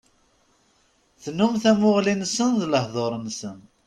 Tennum tamuɣli-nsen d lehdur-nsen.